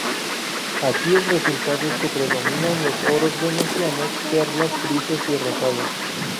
Aquí el resultado es que predominan los oros venecianos, perlas, grises y rosados.